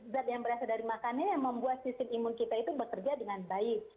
zat yang berasal dari makannya yang membuat sistem imun kita itu bekerja dengan baik